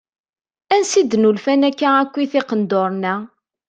Ansa i d-nulfan akka akkit iqenduṛen-a?